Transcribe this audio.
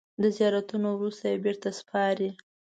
د زیارتونو وروسته یې بېرته سپاري.